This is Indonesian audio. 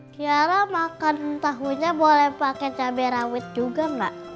kiara makan tahunya boleh pake cabai rawit juga ma